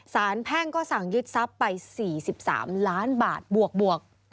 แพ่งก็สั่งยึดทรัพย์ไป๔๓ล้านบาทบวก